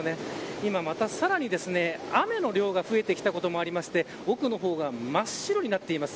今またさらに雨の量が増えてきたこともあり奥の方が真っ白になっています。